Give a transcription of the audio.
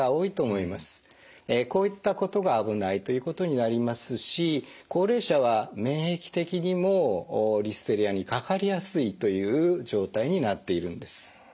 こういったことが危ないということになりますし高齢者は免疫的にもリステリアにかかりやすいという状態になっているんです。